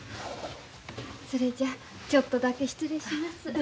それじゃちょっとだけ失礼します。